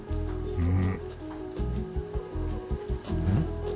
うん。